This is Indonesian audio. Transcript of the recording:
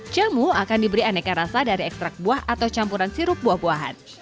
jamu akan diberi aneka rasa dari ekstrak buah atau campuran sirup buah buahan